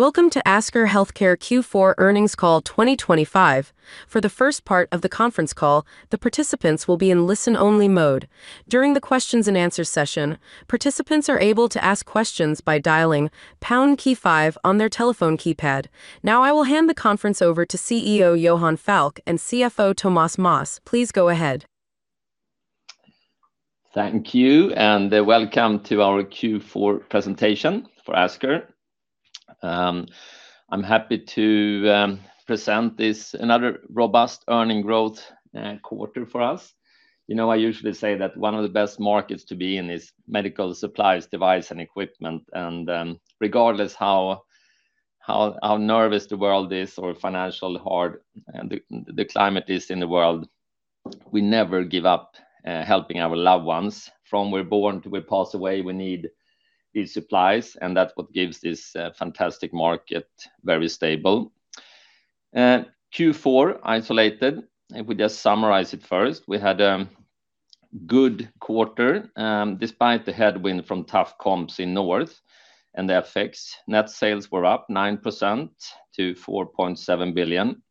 Welcome to Asker Healthcare Q4 earnings call 2025. For the first part of the conference call, the participants will be in listen-only mode. During the questions-and-answers session, participants are able to ask questions by dialing pound key five on their telephone keypad. Now I will hand the conference over to CEO Johan Falk and CFO Thomas Moss. Please go ahead. Thank you, and welcome to our Q4 presentation for Asker. I'm happy to present this another robust earnings growth quarter for us. You know, I usually say that one of the best markets to be in is medical supplies, device, and equipment. Regardless how nervous the world is or financial hard the climate is in the world, we never give up, helping our loved ones. From we're born to we pass away, we need these supplies, and that's what gives this fantastic market very stable. Q4 isolated, if we just summarize it first, we had a good quarter, despite the headwind from tough comps in North and the FX. Net sales were up 9% to 4.7 billion,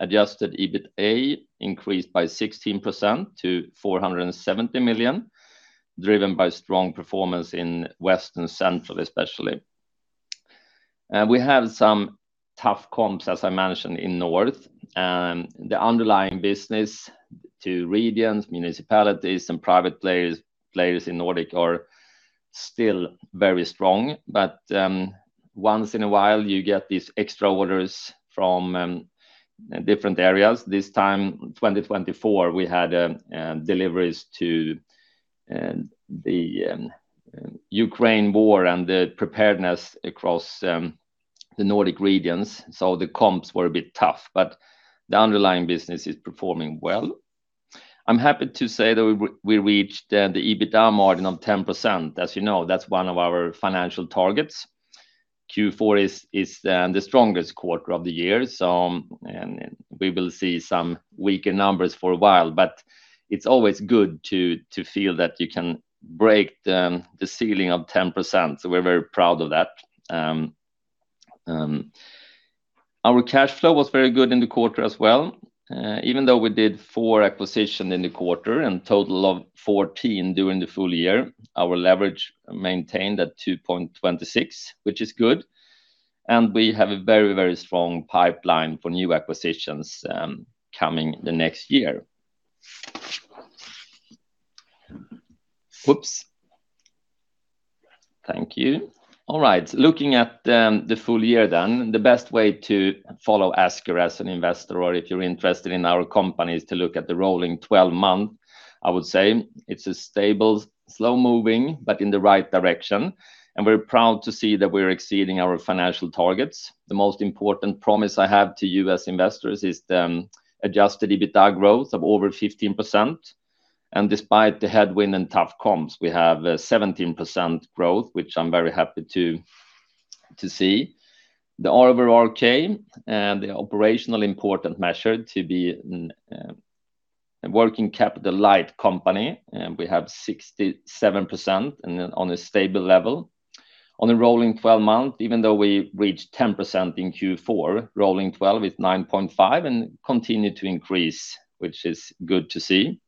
adjusted EBITA increased by 16% to 470 million, driven by strong performance in West and Central especially. We have some tough comps, as I mentioned, in North. The underlying business to regions, municipalities, and private players in Nordic are still very strong, but once in a while you get these extra orders from different areas. This time, 2024, we had deliveries to the Ukraine war and the preparedness across the Nordic regions, so the comps were a bit tough, but the underlying business is performing well. I'm happy to say that we reached the EBITDA margin of 10%. As you know, that's one of our financial targets. Q4 is the strongest quarter of the year, so and we will see some weaker numbers for a while, but it's always good to feel that you can break the ceiling of 10%, so we're very proud of that. Our cash flow was very good in the quarter as well. Even though we did 4 acquisitions in the quarter and a total of 14 during the full year, our leverage maintained at 2.26, which is good. We have a very, very strong pipeline for new acquisitions, coming the next year. Whoops. Thank you. All right, looking at the full year then, the best way to follow Asker as an investor, or if you're interested in our companies, to look at the rolling 12-month, I would say, it's a stable, slow-moving, but in the right direction, and we're proud to see that we're exceeding our financial targets. The most important promise I have to you as investors is the adjusted EBITDA growth of over 15%. And despite the headwind and tough comps, we have a 17% growth, which I'm very happy to see. The ROWC, the operational important measure to be a working capital light company, we have 67% and on a stable level. On the rolling 12-month, even though we reached 10% in Q4, rolling 12 is 9.5% and continue to increase, which is good to see.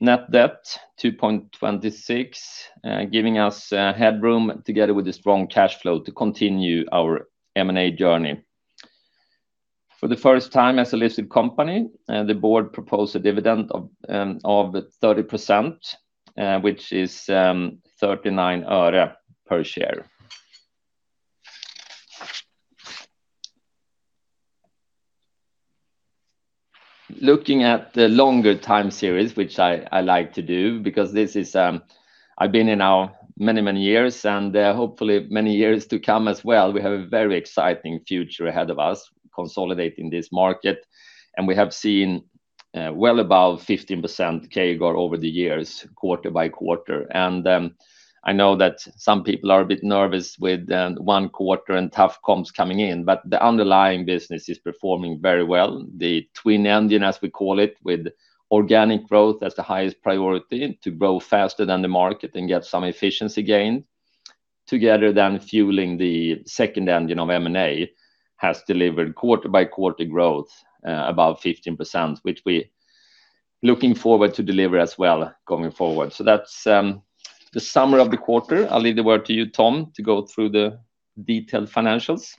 Net debt 2.26, giving us headroom together with the strong cash flow to continue our M&A journey. For the first time as a listed company, the board proposed a dividend of 30%, which is 39 per share. Looking at the longer time series, which I like to do because this is, I've been in now many, many years, and hopefully many years to come as well, we have a very exciting future ahead of us consolidating this market, and we have seen well above 15% CAGR over the years, quarter by quarter. I know that some people are a bit nervous with one quarter and tough comps coming in, but the underlying business is performing very well. The Twin Engine, as we call it, with organic growth as the highest priority to grow faster than the market and get some efficiency gained, together then fueling the second engine of M&A, has delivered quarter by quarter growth above 15%, which we're looking forward to deliver as well going forward. So that's the summary of the quarter. I'll leave the word to you, Tom, to go through the detailed financials.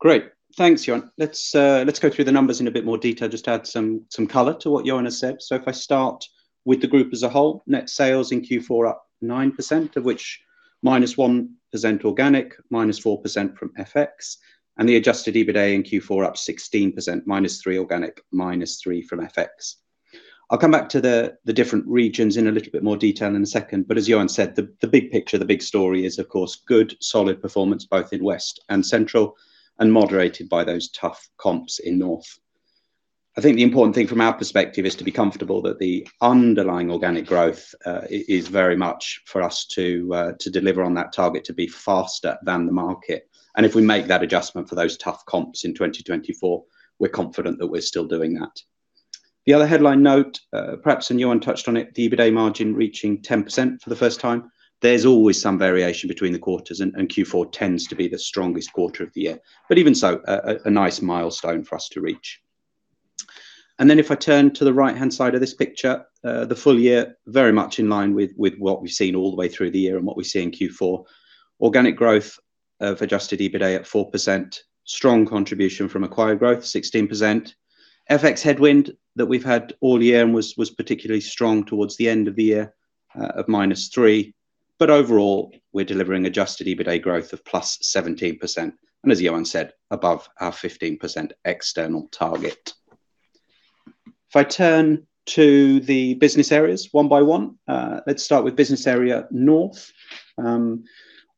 Great. Thanks, Johan. Let's go through the numbers in a bit more detail, just add some color to what Johan has said. So if I start with the group as a whole, net sales in Q4 up 9%, of which -1% organic, -4% from FX, and the Adjusted EBITDA in Q4 up 16%, -3% organic, -3% from FX. I'll come back to the different regions in a little bit more detail in a second, but as Johan said, the big picture, the big story is, of course, good, solid performance both in West and Central and moderated by those tough comps in North. I think the important thing from our perspective is to be comfortable that the underlying organic growth is very much for us to deliver on that target to be faster than the market. And if we make that adjustment for those tough comps in 2024, we're confident that we're still doing that. The other headline note, perhaps, and Johan touched on it, the EBITDA margin reaching 10% for the first time. There's always some variation between the quarters, and Q4 tends to be the strongest quarter of the year. But even so, a nice milestone for us to reach. And then if I turn to the right-hand side of this picture, the full year, very much in line with what we've seen all the way through the year and what we see in Q4. Organic growth of adjusted EBITDA at 4%, strong contribution from acquired growth 16%. FX headwind that we've had all year and was particularly strong towards the end of the year, of -3%. But overall, we're delivering adjusted EBITDA growth of +17% and, as Johan said, above our 15% external target. If I turn to the business areas one by one, let's start with Business Area North.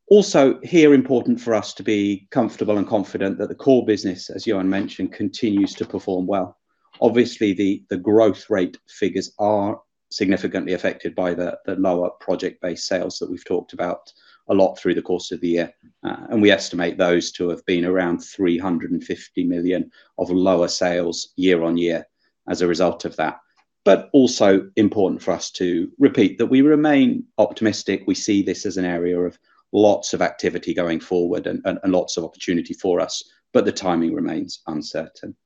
Also here important for us to be comfortable and confident that the core business, as Johan mentioned, continues to perform well. Obviously, the growth rate figures are significantly affected by the lower project-based sales that we've talked about a lot through the course of the year, and we estimate those to have been around 350 million of lower sales year-over-year as a result of that. But also important for us to repeat that we remain optimistic. We see this as an area of lots of activity going forward and lots of opportunity for us, but the timing remains uncertain.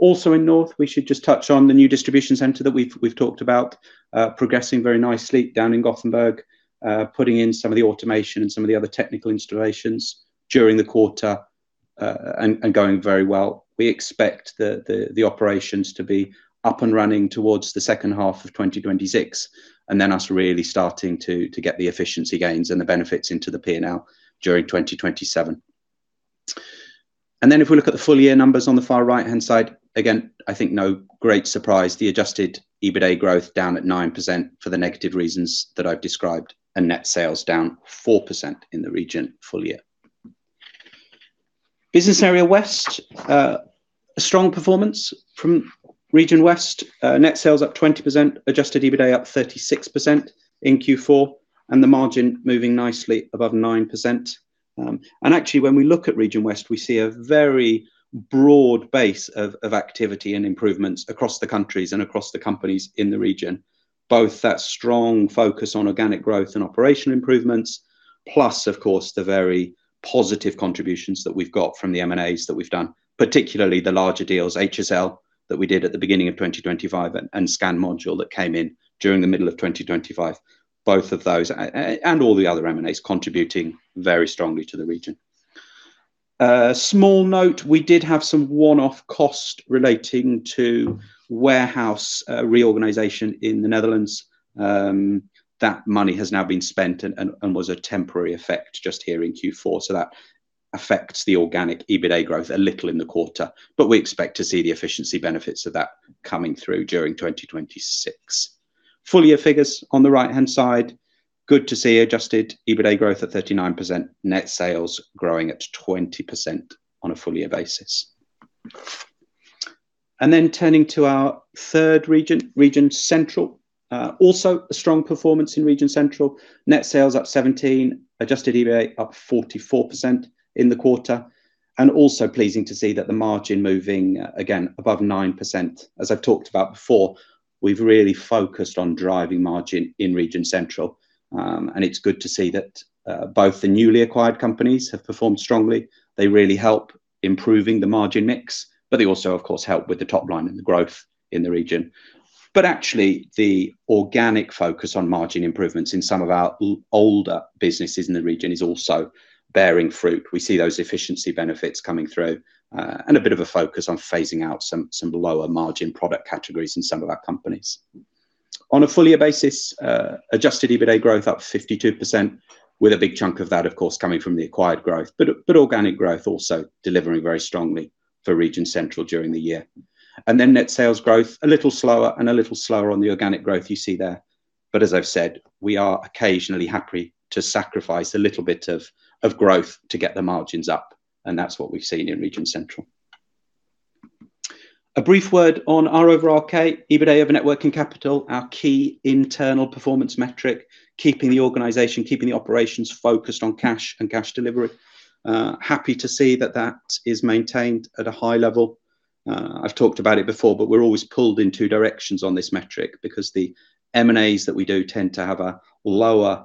Also in North, we should just touch on the new distribution center that we've talked about, progressing very nicely down in Gothenburg, putting in some of the automation and some of the other technical installations during the quarter, and going very well. We expect the operations to be up and running towards the second half of 2026 and then us really starting to get the efficiency gains and the benefits into the P&L during 2027. And then if we look at the full year numbers on the far right-hand side, again, I think no great surprise, the Adjusted EBITDA growth down at 9% for the negative reasons that I've described and net sales down 4% in the region full year. Business Area West, a strong performance from region West, net sales up 20%, adjusted EBITDA up 36% in Q4, and the margin moving nicely above 9%. Actually when we look at region West, we see a very broad base of activity and improvements across the countries and across the companies in the region, both that strong focus on organic growth and operational improvements, plus, of course, the very positive contributions that we've got from the M&As that we've done, particularly the larger deals, HSL that we did at the beginning of 2025 and Scan Modul that came in during the middle of 2025. Both of those and all the other M&As contributing very strongly to the region. Small note, we did have some one-off costs relating to warehouse reorganization in the Netherlands. that money has now been spent and was a temporary effect just here in Q4, so that affects the organic EBITDA growth a little in the quarter, but we expect to see the efficiency benefits of that coming through during 2026. Full year figures on the right-hand side, good to see Adjusted EBITDA growth at 39%, net sales growing at 20% on a full year basis. And then turning to our third region, region Central, also a strong performance in region Central. Net sales up 17%, Adjusted EBITDA up 44% in the quarter, and also pleasing to see that the margin moving, again, above 9%. As I've talked about before, we've really focused on driving margin in region Central, and it's good to see that, both the newly acquired companies have performed strongly. They really help improving the margin mix, but they also, of course, help with the top line and the growth in the region. But actually the organic focus on margin improvements in some of our older businesses in the region is also bearing fruit. We see those efficiency benefits coming through, and a bit of a focus on phasing out some lower margin product categories in some of our companies. On a full year basis, Adjusted EBITDA growth up 52%, with a big chunk of that, of course, coming from the acquired growth, but organic growth also delivering very strongly for region Central during the year. And then net sales growth a little slower and a little slower on the organic growth you see there. But as I've said, we are occasionally happy to sacrifice a little bit of, of growth to get the margins up, and that's what we've seen in region Central. A brief word on ROWC, EBITDA over net working capital, our key internal performance metric, keeping the organization, keeping the operations focused on cash and cash delivery. Happy to see that that is maintained at a high level. I've talked about it before, but we're always pulled in two directions on this metric because the M&As that we do tend to have a lower,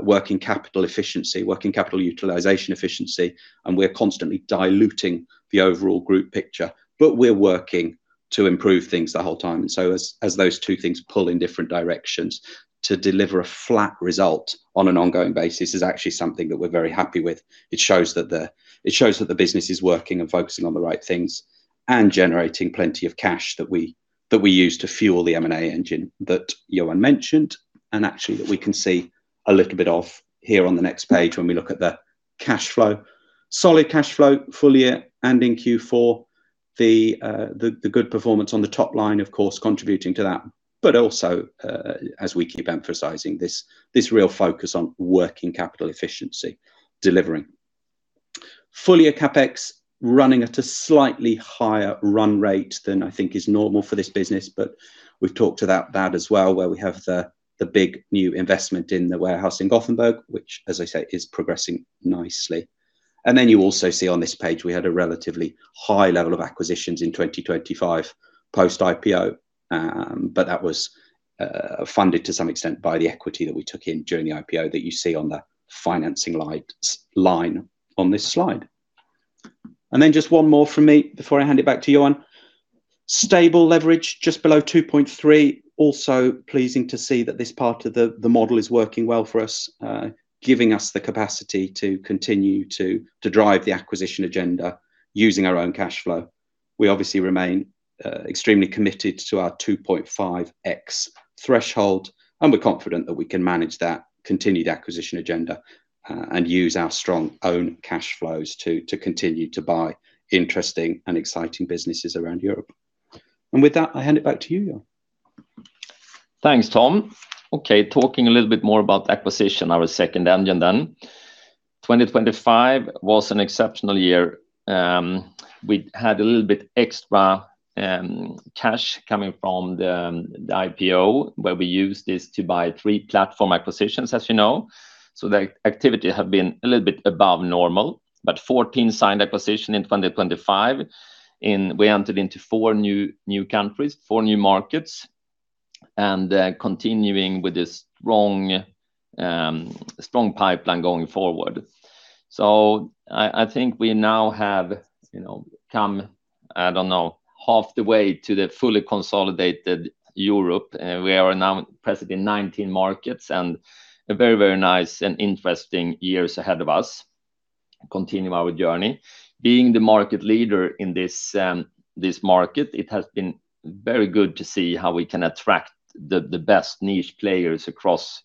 working capital efficiency, working capital utilization efficiency, and we're constantly diluting the overall group picture, but we're working to improve things the whole time. And so as, as those two things pull in different directions, to deliver a flat result on an ongoing basis is actually something that we're very happy with. It shows that the business is working and focusing on the right things and generating plenty of cash that we use to fuel the M&A engine that Johan mentioned and actually that we can see a little bit of here on the next page when we look at the cash flow. Solid cash flow full year and in Q4. The good performance on the top line, of course, contributing to that, but also, as we keep emphasizing, this real focus on working capital efficiency delivering. Full year CapEx running at a slightly higher run rate than I think is normal for this business, but we've talked about that as well where we have the big new investment in the warehouse in Gothenburg, which, as I say, is progressing nicely. And then you also see on this page we had a relatively high level of acquisitions in 2025 post-IPO, but that was funded to some extent by the equity that we took in during the IPO that you see on the financing lines line on this slide. And then just one more from me before I hand it back to Johan. Stable leverage just below 2.3, also pleasing to see that this part of the model is working well for us, giving us the capacity to continue to drive the acquisition agenda using our own cash flow. We obviously remain extremely committed to our 2.5x threshold, and we're confident that we can manage that continued acquisition agenda, and use our strong own cash flows to continue to buy interesting and exciting businesses around Europe. And with that, I hand it back to you, Johan. Thanks, Tom. Okay, talking a little bit more about acquisition, our second engine then. 2025 was an exceptional year. We had a little bit extra cash coming from the IPO where we used this to buy 3 platform acquisitions, as you know. So the activity had been a little bit above normal, but 14 signed acquisitions in 2025, and we entered into 4 new countries, 4 new markets, and continuing with this strong pipeline going forward. So I think we now have, you know, come, I don't know, half the way to the fully consolidated Europe. We are now present in 19 markets and a very nice and interesting years ahead of us. Continuing our journey. Being the market leader in this market, it has been very good to see how we can attract the best niche players across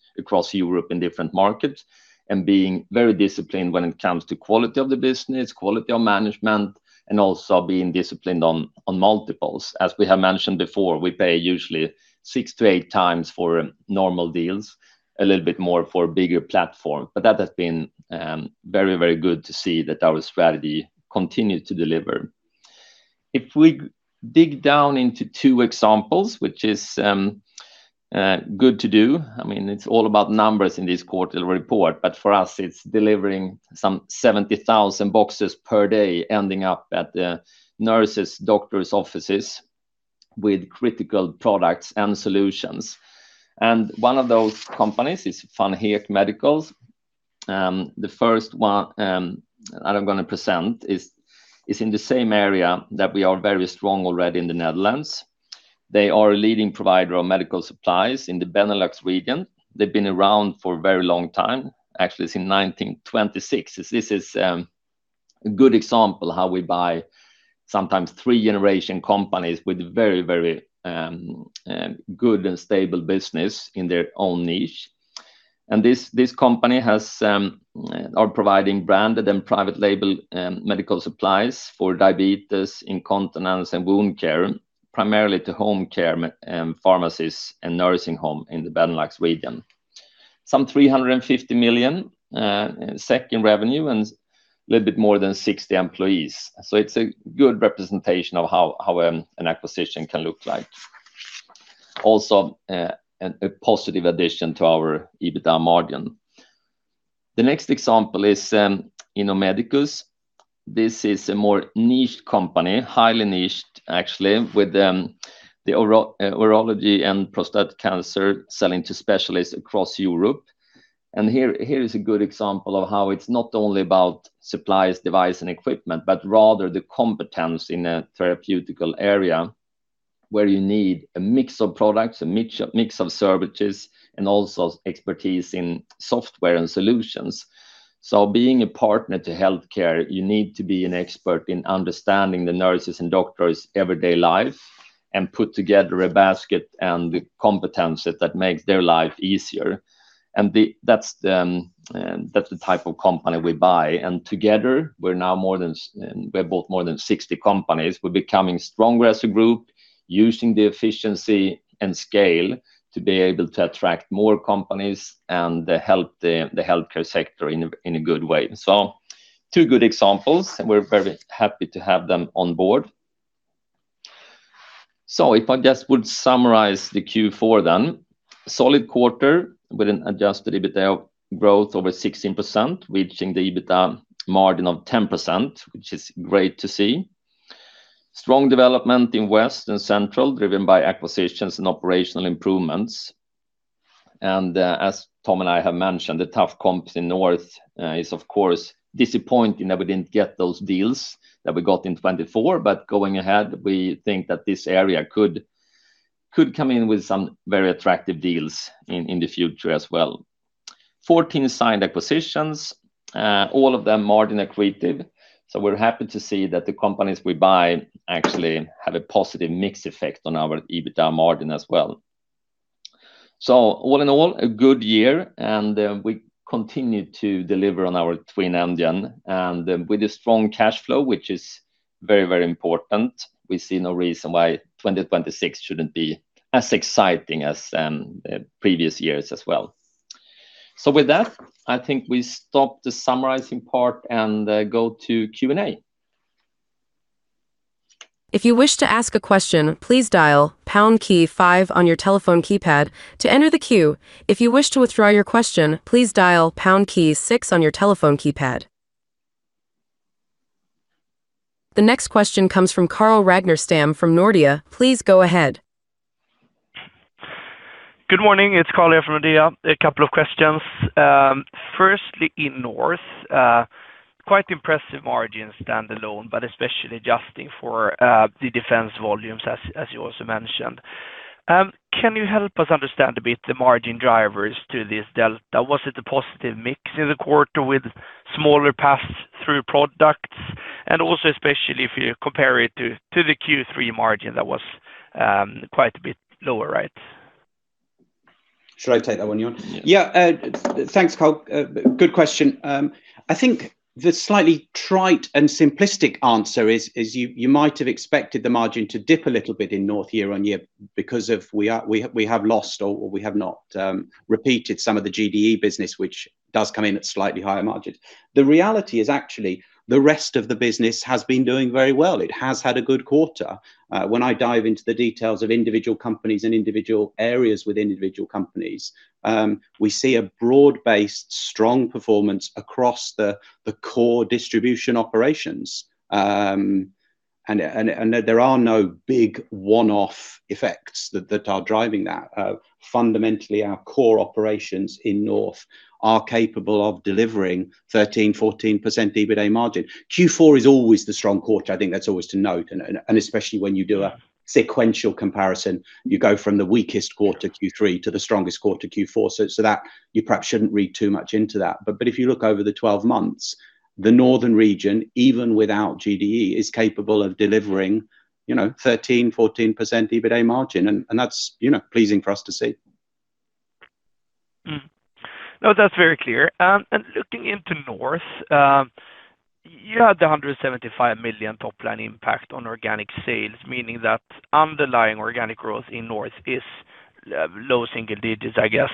Europe in different markets and being very disciplined when it comes to quality of the business, quality of management, and also being disciplined on multiples. As we have mentioned before, we pay usually 6-8x for normal deals, a little bit more for bigger platforms, but that has been very good to see that our strategy continues to deliver. If we dig down into two examples, which is good to do, I mean, it's all about numbers in this quarterly report, but for us it's delivering some 70,000 boxes per day ending up at the nurses, doctors' offices with critical products and solutions. One of those companies is Van Heek Medical. The first one that I'm going to present is in the same area that we are very strong already in the Netherlands. They are a leading provider of medical supplies in the Benelux region. They've been around for a very long time, actually since 1926. This is a good example of how we buy sometimes three-generation companies with very, very good and stable business in their own niche. And this company is providing branded and private label medical supplies for diabetes, incontinence, and wound care, primarily to home care, pharmacies and nursing homes in the Benelux region. 350 million SEK revenue and a little bit more than 60 employees. So it's a good representation of how an acquisition can look like. Also a positive addition to our EBITDA margin. The next example is InnoMedicus. This is a more niche company, highly niched actually, with the urology and prostate cancer selling to specialists across Europe. Here is a good example of how it's not only about supplies, device, and equipment, but rather the competence in a therapeutic area where you need a mix of products, a mix of services, and also expertise in software and solutions. So being a partner to healthcare, you need to be an expert in understanding the nurses and doctors' everyday life and put together a basket and the competence that makes their life easier. That's the type of company we buy. Together we're now more than 60 companies. We're becoming stronger as a group, using the efficiency and scale to be able to attract more companies and help the healthcare sector in a good way. So two good examples, and we're very happy to have them on board. So if I just would summarise the Q4 then, solid quarter with an adjusted EBITDA growth over 16%, reaching the EBITDA margin of 10%, which is great to see. Strong development in West and Central driven by acquisitions and operational improvements. And, as Tom and I have mentioned, the tough comps in North is of course disappointing that we didn't get those deals that we got in 2024, but going ahead we think that this area could, could come in with some very attractive deals in, in the future as well. 14 signed acquisitions, all of them margin equative. So we're happy to see that the companies we buy actually have a positive mix effect on our EBITDA margin as well. So all in all, a good year, and we continue to deliver on our Twin Engine and with a strong cash flow, which is very, very important. We see no reason why 2026 shouldn't be as exciting as the previous years as well. So with that, I think we stop the summarizing part and go to Q&A. If you wish to ask a question, please dial pound key five on your telephone keypad to enter the queue. If you wish to withdraw your question, please dial pound key six on your telephone keypad. The next question comes from Carl Ragnerstam from Nordea. Please go ahead. Good morning. It's Carl here from Nordea. A couple of questions. Firstly in North, quite impressive margins standalone, but especially adjusting for the defense volumes as you also mentioned. Can you help us understand a bit the margin drivers to this delta? Was it a positive mix in the quarter with smaller pass-through products and also especially if you compare it to the Q3 margin that was quite a bit lower, right? Should I take that one, Johan? Yeah, thanks, Carl. Good question. I think the slightly trite and simplistic answer is you might have expected the margin to dip a little bit in North year-on-year because we have lost or we have not repeated some of the GDE business, which does come in at slightly higher margins. The reality is actually the rest of the business has been doing very well. It has had a good quarter. When I dive into the details of individual companies and individual areas with individual companies, we see a broad-based strong performance across the core distribution operations. And there are no big one-off effects that are driving that. Fundamentally our core operations in North are capable of delivering 13%-14% EBITDA margin. Q4 is always the strong quarter. I think that's always to note, and especially when you do a sequential comparison, you go from the weakest quarter Q3 to the strongest quarter Q4. So that you perhaps shouldn't read too much into that. But if you look over the 12 months, the Northern region, even without GDE, is capable of delivering, you know, 13%-14% EBITDA margin, and that's, you know, pleasing for us to see. No, that's very clear. And looking into North, you had the 175 million top line impact on organic sales, meaning that underlying organic growth in North is low single digits, I guess.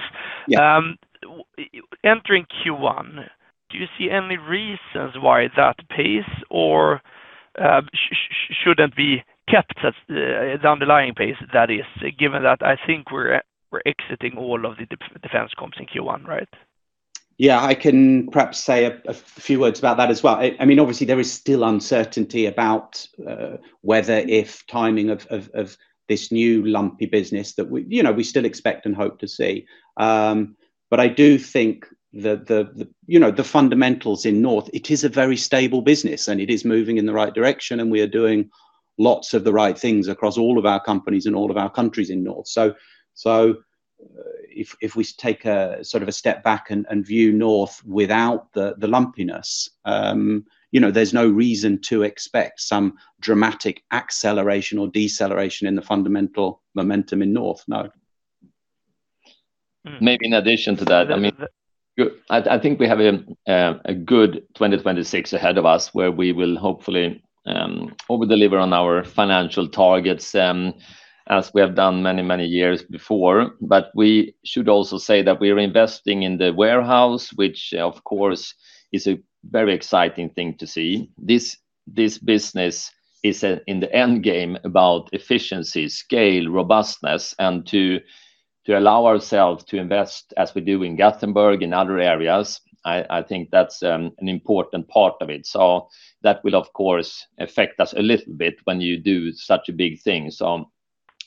Entering Q1, do you see any reasons why that pace or shouldn't be kept as the underlying pace that is, given that I think we're exiting all of the defense comps in Q1, right? Yeah, I can perhaps say a few words about that as well. I mean, obviously there is still uncertainty about whether the timing of this new lumpy business that we, you know, we still expect and hope to see. But I do think the fundamentals in North; it is a very stable business and it is moving in the right direction and we are doing lots of the right things across all of our companies and all of our countries in North. So, if we take a sort of a step back and view North without the lumpiness, you know, there's no reason to expect some dramatic acceleration or deceleration in the fundamental momentum in North. No. Maybe in addition to that, I mean, good. I, I think we have a, a good 2026 ahead of us where we will hopefully overdeliver on our financial targets, as we have done many, many years before. But we should also say that we are investing in the warehouse, which of course is a very exciting thing to see. This, this business is, in the end game about efficiency, scale, robustness, and to, to allow ourselves to invest as we do in Gothenburg, in other areas. I, I think that's an important part of it. So that will of course affect us a little bit when you do such a big thing. So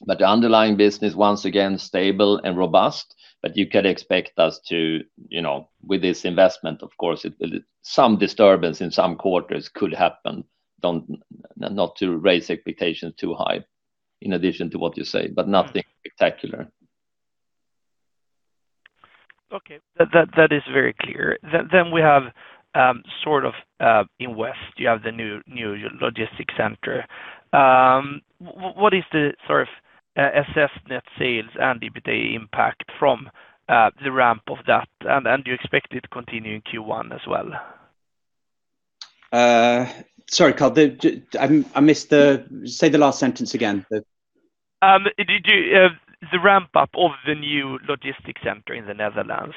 but the underlying business, once again, stable and robust, but you can expect us to, you know, with this investment, of course it will some disturbance in some quarters could happen. Don't not raise expectations too high in addition to what you say, but nothing spectacular. Okay. That is very clear. Then we have, sort of, in West, you have the new logistics center. What is the sort of assessed net sales and EBITDA impact from the ramp of that? And do you expect it to continue in Q1 as well? Sorry, Carl. I missed. Say the last sentence again. Did you see the ramp up of the new logistics center in the Netherlands,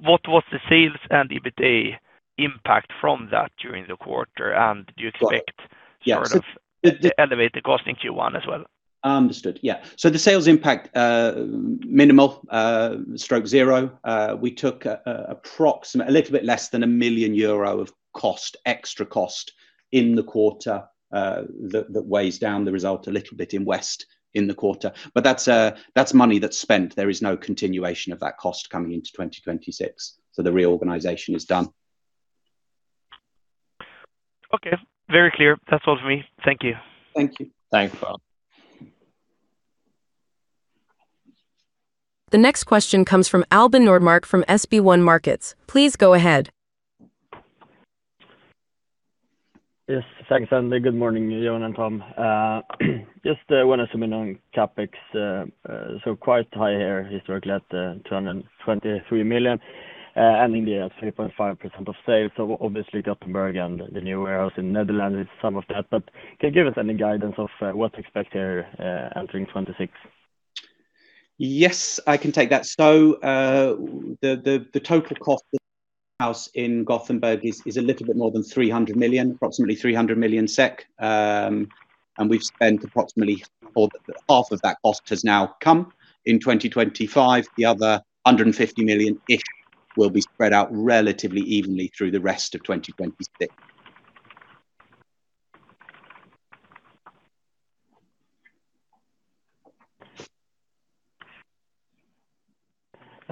what was the sales and EBITDA impact from that during the quarter? And do you expect sort of elevated costs in Q1 as well? Understood. Yeah. So the sales impact, minimal, stroke zero. We took an approximate little bit less than 1 million euro of extra cost in the quarter, that weighs down the result a little bit in West in the quarter. But that's money that's spent. There is no continuation of that cost coming into 2026. So the reorganization is done. Okay. Very clear. That's all for me. Thank you. Thank you. Thanks, Carl. The next question comes from Albin Nordmark from SB1 Markets. Please go ahead. Yes. Thanks, Andy. Good morning, Johan and Tom. Just, when assuming on CapEx, so quite high here historically at 223 million, ending the year at 3.5% of sales. So obviously Gothenburg and the new warehouse in the Netherlands is some of that. But can you give us any guidance of what to expect here, entering 2026? Yes, I can take that. So, the total cost of the warehouse in Gothenburg is a little bit more than 300 million, approximately 300 million SEK. We've spent approximately half of that cost has now come in 2025. The other 150 million-ish will be spread out relatively evenly through the rest of 2026.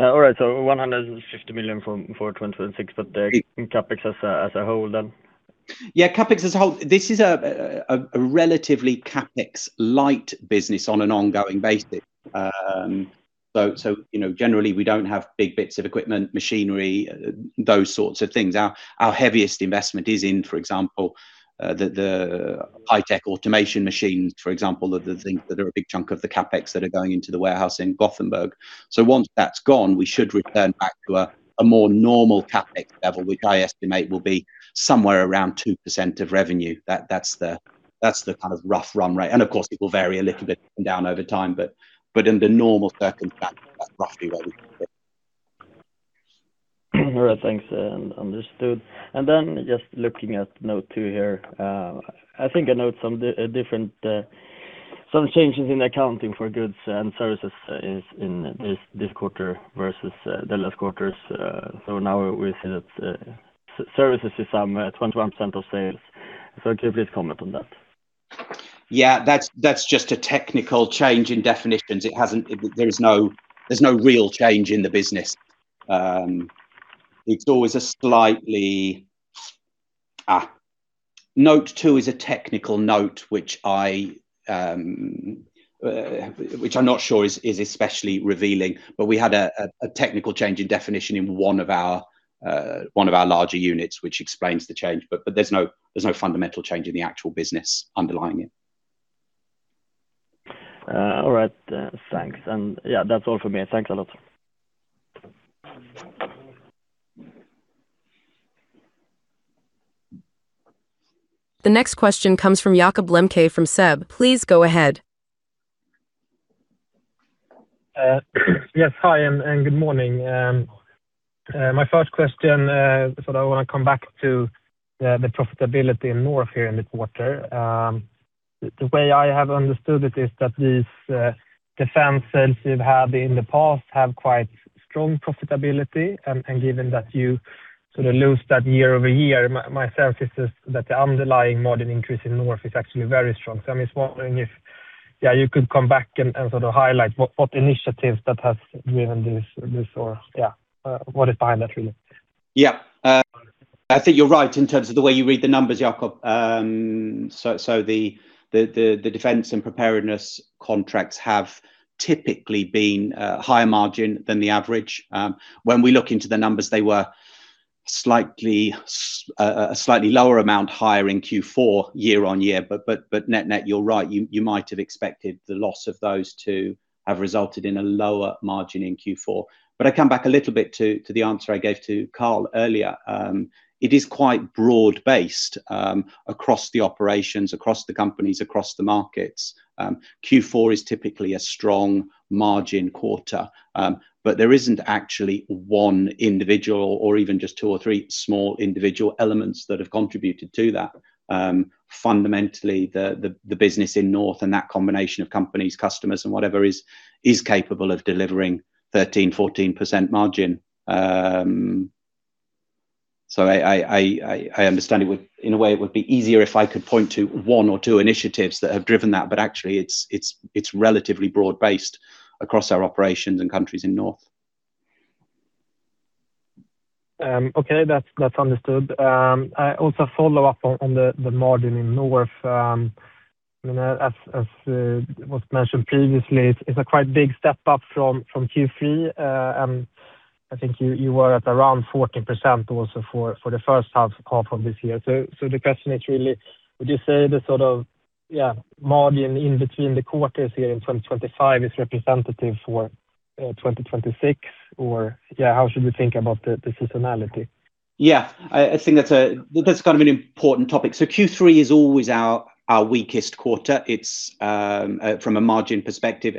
All right. So 150 million for 2026, but CapEx as a whole then? Yeah, CapEx as a whole. This is a relatively CapEx light business on an ongoing basis. So, you know, generally we don't have big bits of equipment, machinery, those sorts of things. Our heaviest investment is in, for example, the high-tech automation machines, for example, the things that are a big chunk of the CapEx that are going into the warehouse in Gothenburg. So once that's gone, we should return back to a more normal CapEx level, which I estimate will be somewhere around 2% of revenue. That's the kind of rough run rate. And of course it will vary a little bit down over time, but under normal circumstances that's roughly where we can fit. All right. Thanks. Understood. And then just looking at note two here, I think I note some different, some changes in accounting for goods and services in this quarter versus the last quarters. So now we see that services is 21% of sales. So can you please comment on that? Yeah, that's just a technical change in definitions. It hasn't. There is no real change in the business. It's always a slight. Note two is a technical note, which I'm not sure is especially revealing. But we had a technical change in definition in one of our larger units, which explains the change. But there's no fundamental change in the actual business underlying it. All right. Thanks. And yeah, that's all for me. Thanks a lot. The next question comes from Jakob Lembke from SEB. Please go ahead. Yes. Hi, and good morning. My first question, sort of I want to come back to, the profitability in North here in the quarter. The way I have understood it is that these defense sales you've had in the past have quite strong profitability. And given that you sort of lose that year-over-year, my sense is that the underlying margin increase in North is actually very strong. So I'm just wondering if yeah, you could come back and sort of highlight what initiatives that has driven this or yeah, what is behind that really? Yeah. I think you're right in terms of the way you read the numbers, Jakob. So the defense and preparedness contracts have typically been higher margin than the average. When we look into the numbers, they were slightly, a slightly lower amount higher in Q4 year-on-year. But net, you're right. You might have expected the loss of those to have resulted in a lower margin in Q4. But I come back a little bit to the answer I gave to Carl earlier. It is quite broad-based across the operations, across the companies, across the markets. Q4 is typically a strong margin quarter. But there isn't actually one individual or even just two or three small individual elements that have contributed to that. Fundamentally, the business in North and that combination of companies, customers, and whatever is capable of delivering 13%-14% margin. So I understand it would in a way be easier if I could point to one or two initiatives that have driven that. But actually it's relatively broad-based across our operations and countries in North. Okay. That's understood. I also follow up on the margin in North. I mean, as was mentioned previously, it's a quite big step up from Q3. And I think you were at around 14% also for the first half of this year. So the question is really would you say the sort of margin in between the quarters here in 2025 is representative for 2026 or how should you think about the seasonality? Yeah. I, I think that's a that's kind of an important topic. So Q3 is always our, our weakest quarter. It's, from a margin perspective,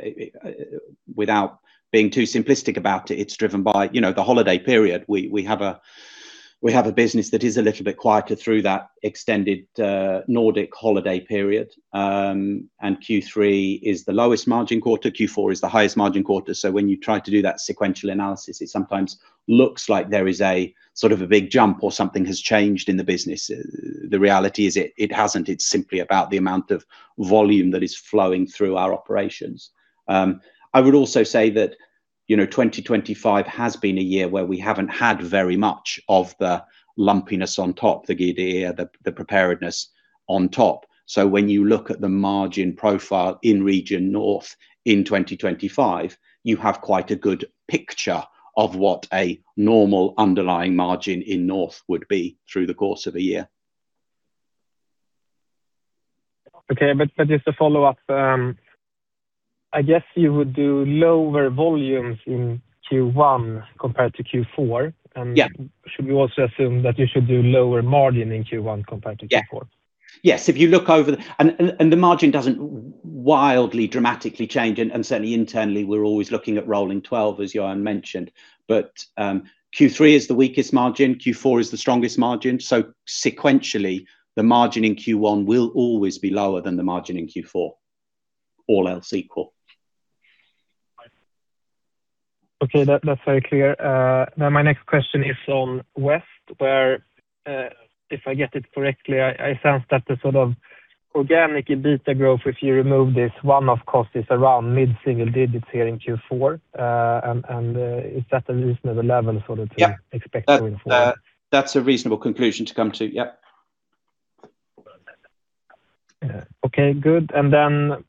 without being too simplistic about it, it's driven by, you know, the holiday period. We, we have a we have a business that is a little bit quieter through that extended, Nordic holiday period. And Q3 is the lowest margin quarter. Q4 is the highest margin quarter. So when you try to do that sequential analysis, it sometimes looks like there is a sort of a big jump or something has changed in the business. The reality is it, it hasn't. It's simply about the amount of volume that is flowing through our operations. I would also say that, you know, 2025 has been a year where we haven't had very much of the lumpiness on top, the GDE or the, the preparedness on top. When you look at the margin profile in region North in 2025, you have quite a good picture of what a normal underlying margin in North would be through the course of a year. Okay. But, but just to follow up, I guess you would do lower volumes in Q1 compared to Q4. And should we also assume that you should do lower margin in Q1 compared to Q4? Yes. Yes. If you look over and the margin doesn't wildly, dramatically change. Certainly, internally we're always looking at rolling 12, as Johan mentioned. Q3 is the weakest margin. Q4 is the strongest margin. So sequentially the margin in Q1 will always be lower than the margin in Q4, all else equal. Okay. That's very clear. Now my next question is on West where, if I get it correctly, I, I sense that the sort of organic EBITDA growth, if you remove this one-off cost, is around mid-single digits here in Q4. And is that a reasonable level sort of to expect going forward? Yeah. That, that's a reasonable conclusion to come to. Yep. Okay. Good. And then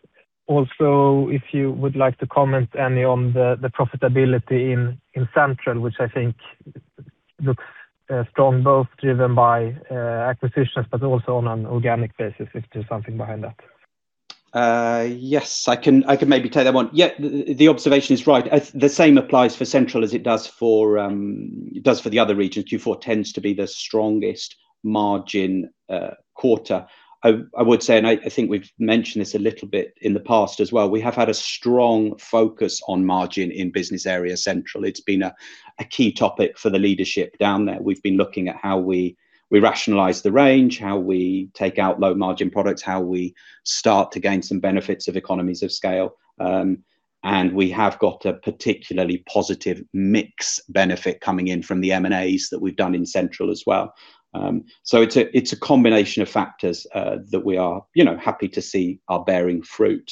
also if you would like to comment any on the profitability in Central, which I think looks strong both driven by acquisitions, but also on an organic basis if there's something behind that. Yes. I can maybe take that one. Yeah. The observation is right. The same applies for Central as it does for the other regions. Q4 tends to be the strongest margin quarter. I would say and I think we've mentioned this a little bit in the past as well. We have had a strong focus on margin in Business Area Central. It's been a key topic for the leadership down there. We've been looking at how we rationalize the range, how we take out low margin products, how we start to gain some benefits of economies of scale. And we have got a particularly positive mix benefit coming in from the M&As that we've done in Central as well. So it's a combination of factors that we are, you know, happy to see are bearing fruit.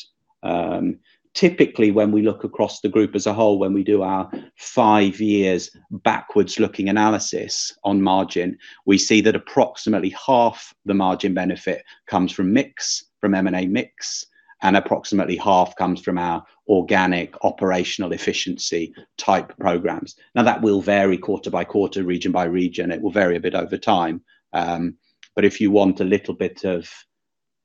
Typically, when we look across the group as a whole, when we do our five-year backwards-looking analysis on margin, we see that approximately half the margin benefit comes from mix, from M&A mix, and approximately half comes from our organic operational efficiency type programs. Now that will vary quarter by quarter, region by region. It will vary a bit over time. But if you want a little bit of,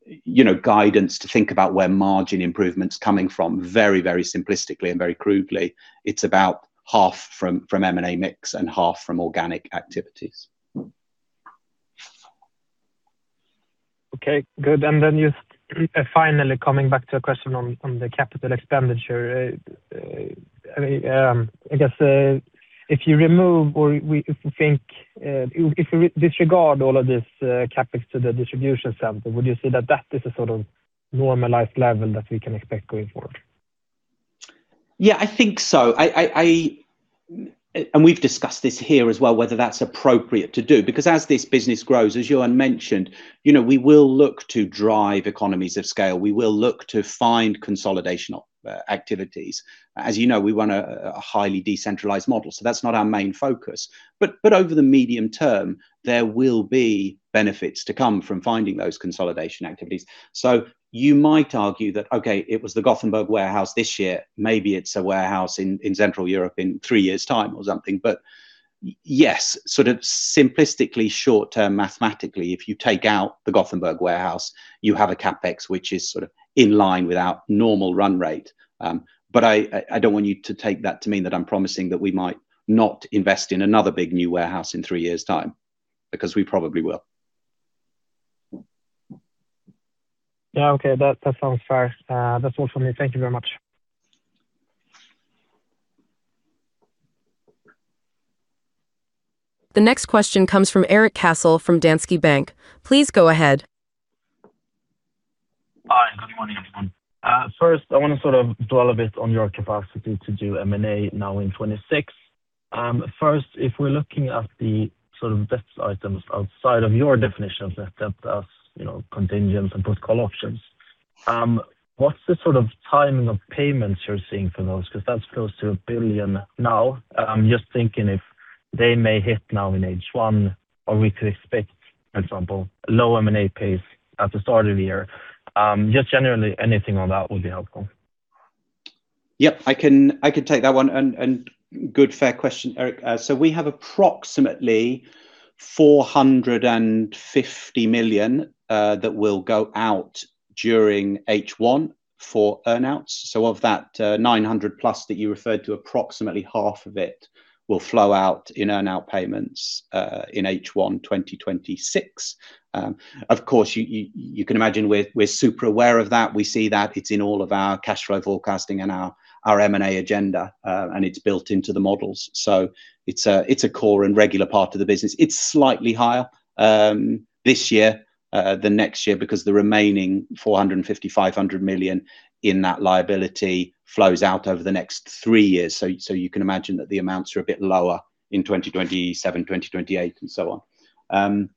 you know, guidance to think about where margin improvement's coming from very, very simplistically and very crudely, it's about half from, from M&A mix and half from organic activities. Okay. Good. And then just finally coming back to a question on the capital expenditure, I mean, I guess, if you remove or if we think, if we disregard all of this, CapEx to the distribution center, would you say that that is a sort of normalized level that we can expect going forward? Yeah, I think so. We've discussed this here as well whether that's appropriate to do. Because as this business grows, as Johan mentioned, you know, we will look to drive economies of scale. We will look to find consolidational activities. As you know, we run a highly decentralized model. So that's not our main focus. But over the medium term there will be benefits to come from finding those consolidation activities. So you might argue that, okay, it was the Gothenburg warehouse this year. Maybe it's a warehouse in Central Europe in three years' time or something. But yes, sort of simplistically short-term mathematically, if you take out the Gothenburg warehouse, you have a CapEx which is sort of in line with our normal run rate. but I don't want you to take that to mean that I'm promising that we might not invest in another big new warehouse in three years' time. Because we probably will. Yeah. Okay. That, that sounds fair. That's all from me. Thank you very much. The next question comes from Erik Cassel from Danske Bank. Please go ahead. Hi. Good morning, everyone. First, I want to sort of dwell a bit on your capacity to do M&A now in 2026. First, if we're looking at the sort of debt items outside of your definition of net debt as, you know, contingents and post-call options, what's the sort of timing of payments you're seeing for those? Because that's close to 1 billion now. Just thinking if they may hit now in H1 or we could expect, for example, low M&A pace at the start of the year. Just generally anything on that would be helpful. Yep. I can take that one. And good, fair question, Erik. So we have approximately 450 million that will go out during H1 for earnouts. So of that, 900+ that you referred to, approximately half of it will flow out in earnout payments in H1 2026. Of course you can imagine we're super aware of that. We see that. It's in all of our cash flow forecasting and our M&A agenda. And it's built into the models. So it's a core and regular part of the business. It's slightly higher this year than next year because the remaining 450 million-500 million in that liability flows out over the next three years. So you can imagine that the amounts are a bit lower in 2027, 2028, and so on.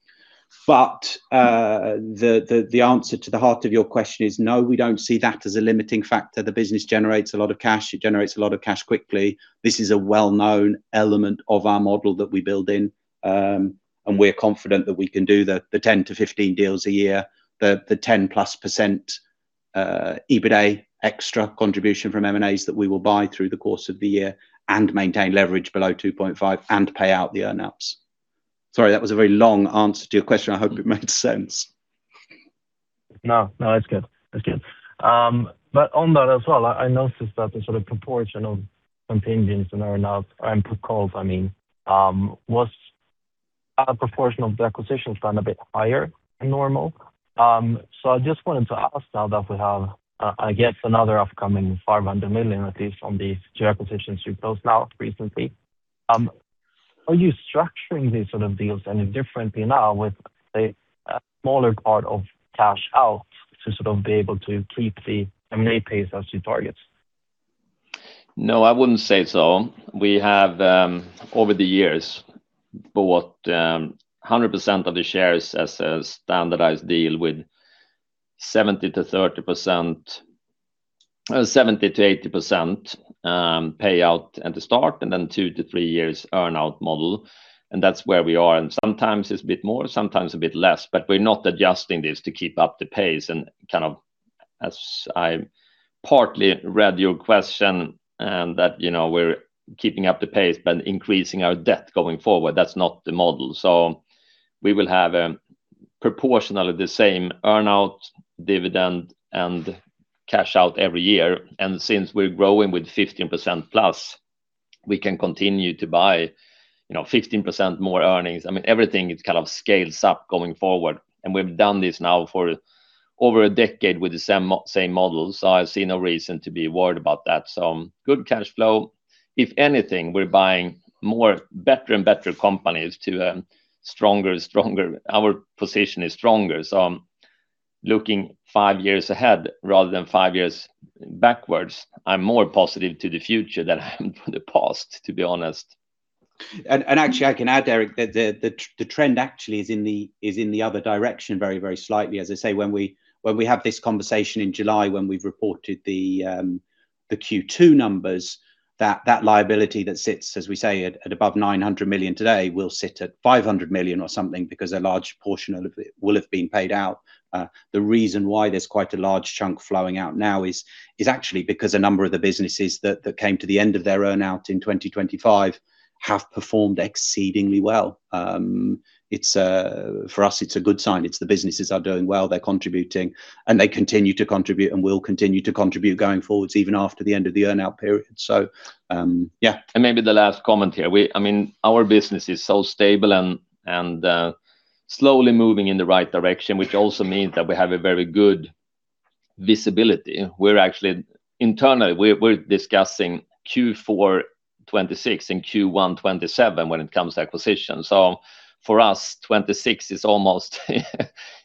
But the answer to the heart of your question is no, we don't see that as a limiting factor. The business generates a lot of cash. It generates a lot of cash quickly. This is a well-known element of our model that we build in. We're confident that we can do the 10-15 deals a year, the 10%+ EBITDA extra contribution from M&As that we will buy through the course of the year and maintain leverage below 2.5 and pay out the earnouts. Sorry. That was a very long answer to your question. I hope it made sense. No. No. That's good. That's good. But on that as well, I, I noticed that the sort of proportion of contingents and earnouts and post-calls, I mean, was a proportion of the acquisitions run a bit higher than normal. So I just wanted to ask now that we have, I guess, another upcoming 500 million at least on these two acquisitions you closed now recently. Are you structuring these sort of deals any differently now with, say, a smaller part of cash out to sort of be able to keep the M&A pace as you target? No. I wouldn't say so. We have, over the years, bought 100% of the shares as a standardised deal with 70%-30%, 70%-80% payout at the start and then 2-3 years earnout model. That's where we are. Sometimes it's a bit more, sometimes a bit less. But we're not adjusting this to keep up the pace. Kind of as I partly read your question and that, you know, we're keeping up the pace but increasing our debt going forward, that's not the model. So we will have proportionally the same earnout, dividend, and cash out every year. Since we're growing with 15% plus, we can continue to buy, you know, 15% more earnings. I mean, everything kind of scales up going forward. We've done this now for over a decade with the same model. So I see no reason to be worried about that. So good cash flow. If anything, we're buying more better and better companies to, stronger, stronger our position is stronger. So looking five years ahead rather than five years backwards, I'm more positive to the future than I am to the past, to be honest. Actually, I can add, Erik, that the trend actually is in the other direction very, very slightly. As I say, when we have this conversation in July when we've reported the Q2 numbers, that liability that sits, as we say, at above 900 million today will sit at 500 million or something because a large portion of it will have been paid out. The reason why there's quite a large chunk flowing out now is actually because a number of the businesses that came to the end of their earnout in 2025 have performed exceedingly well. It's, for us it's a good sign. It's the businesses are doing well. They're contributing. And they continue to contribute and will continue to contribute going forwards even after the end of the earnout period. So, yeah. Maybe the last comment here. We, I mean, our business is so stable and slowly moving in the right direction, which also means that we have a very good visibility. We're actually internally discussing Q4 2026 and Q1 2027 when it comes to acquisitions. So for us 2026 is almost,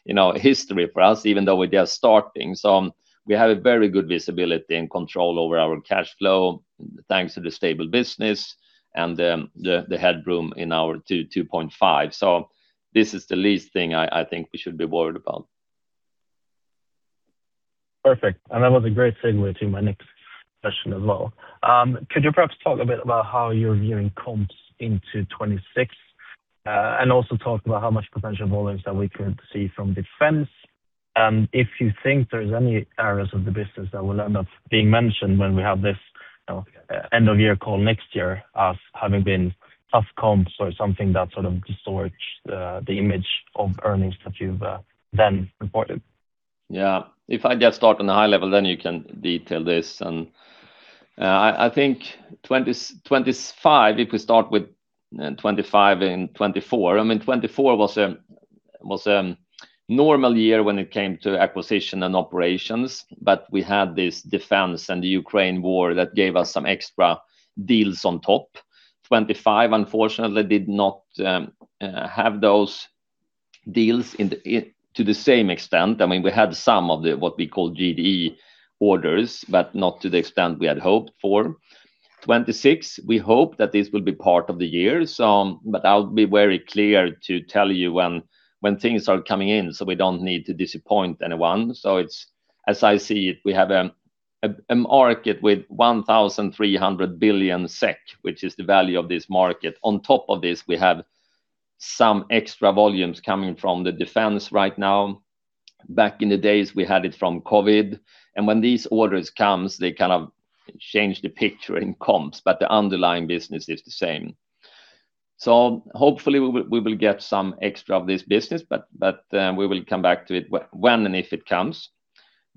you know, history for us even though we're just starting. So we have a very good visibility and control over our cash flow thanks to the stable business and the headroom in our 2.5. So this is the least thing I think we should be worried about. Perfect. And that was a great segue to my next question as well. Could you perhaps talk a bit about how you're viewing comps into 2026, and also talk about how much potential volume that we could see from defense? If you think there's any areas of the business that will end up being mentioned when we have this, you know, end-of-year call next year as having been tough comps or something that sort of distorts the image of earnings that you've then reported. Yeah. If I just start on a high level then you can detail this. And, I, I think 2020 2025 if we start with 2025 in 2024 I mean, 2024 was a normal year when it came to acquisition and operations. But we had this defense and the Ukraine war that gave us some extra deals on top. 2025 unfortunately did not have those deals to the same extent. I mean, we had some of the what we call GDE orders but not to the extent we had hoped for. 2026 we hope that this will be part of the year. So but I'll be very clear to tell you when things are coming in so we don't need to disappoint anyone. So it's as I see it we have a market with 1,300 billion SEK which is the value of this market. On top of this we have some extra volumes coming from the defense right now. Back in the days we had it from COVID. And when these orders come they kind of change the picture in comps but the underlying business is the same. So hopefully we will we will get some extra of this business but, but, we will come back to it when, when and if it comes.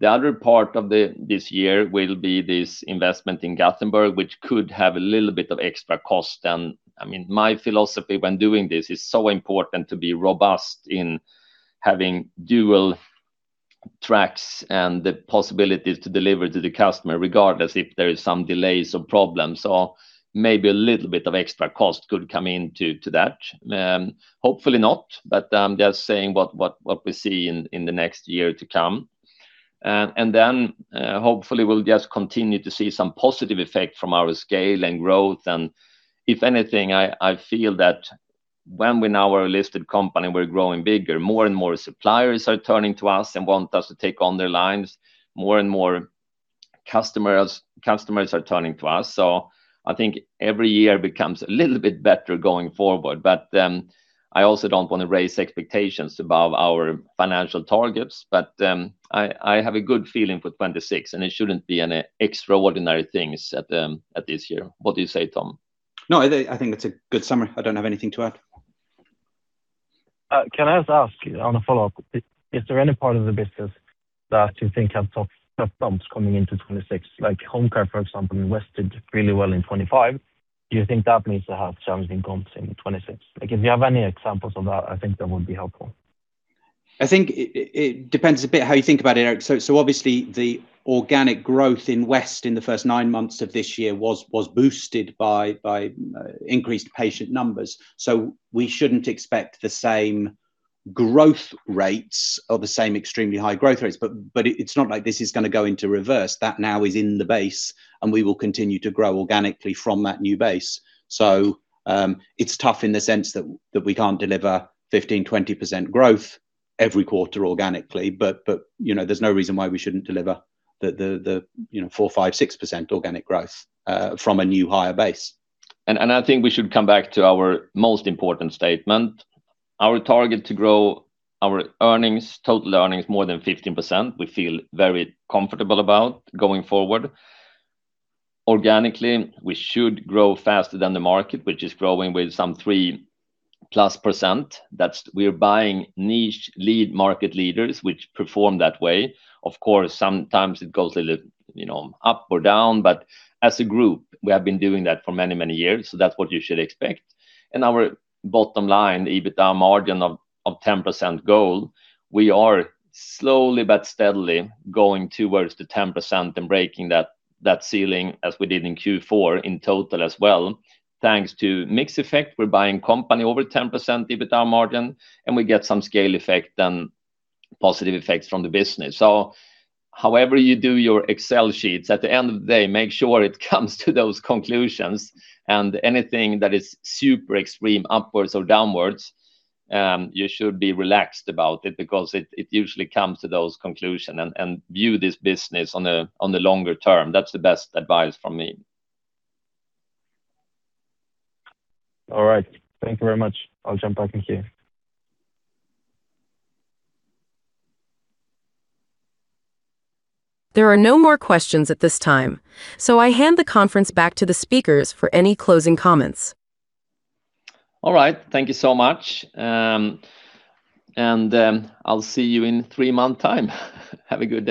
The other part of the this year will be this investment in Gothenburg which could have a little bit of extra cost then. I mean, my philosophy when doing this is so important to be robust in having dual tracks and the possibilities to deliver to the customer regardless if there is some delays or problems. So maybe a little bit of extra cost could come into that. Hopefully not. But, just saying what we see in the next year to come. And then, hopefully we'll just continue to see some positive effect from our scale and growth. And if anything I feel that when we now are a listed company we're growing bigger. More and more suppliers are turning to us and want us to take on their lines. More and more customers are turning to us. So I think every year becomes a little bit better going forward. But, I also don't want to raise expectations above our financial targets. But, I have a good feeling for 2026 and it shouldn't be any extraordinary things at this year. What do you say, Tom? No. I think it's a good summary. I don't have anything to add. Can I just ask you on a follow-up? Is there any part of the business that you think has tough, tough comps coming into 2026? Like HomeCare, for example, invested really well in 2025. Do you think that needs to have challenging comps in 2026? Like if you have any examples of that I think that would be helpful. I think it depends a bit how you think about it, Erik. So obviously the organic growth in West in the first nine months of this year was boosted by increased patient numbers. So we shouldn't expect the same growth rates or the same extremely high growth rates. But it's not like this is going to go into reverse. That now is in the base and we will continue to grow organically from that new base. So it's tough in the sense that we can't deliver 15%-20% growth every quarter organically. But you know, there's no reason why we shouldn't deliver the you know, 4%-6% organic growth from a new higher base. And I think we should come back to our most important statement. Our target to grow our earnings total earnings more than 15% we feel very comfortable about going forward. Organically we should grow faster than the market which is growing with some 3%+ . That's we're buying niche lead market leaders which perform that way. Of course sometimes it goes a little, you know, up or down. But as a group we have been doing that for many, many years. So that's what you should expect. And our bottom line EBITDA margin of 10% goal we are slowly but steadily going towards the 10% and breaking that, that ceiling as we did in Q4 in total as well. Thanks to mixed effect we're buying company over 10% EBITDA margin and we get some scale effect and positive effects from the business. So, however you do your Excel sheets, at the end of the day, make sure it comes to those conclusions. And anything that is super extreme upwards or downwards, you should be relaxed about it because it usually comes to those conclusions, and view this business on the longer term. That's the best advice from me. All right. Thank you very much. I'll jump back in here. There are no more questions at this time. So I hand the conference back to the speakers for any closing comments. All right. Thank you so much. I'll see you in three months' time. Have a good one.